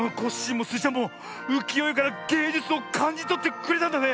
もうきよえからげいじゅつをかんじとってくれたんだね！